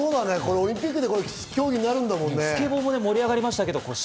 オリンピックで競技になるんだもんね。